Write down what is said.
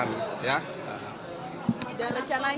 dan rencananya dan rencananya akan dilakukan